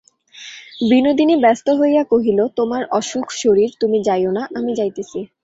বিনোদিনী ব্যস্ত হইয়া কহিল, তোমার অসুখ-শরীর, তুমি যাইয়ো না, আমি যাইতেছি।